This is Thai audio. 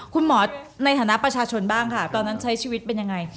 คุณหมอในฐานะประชาชนก็บ้างก่อนค่ะ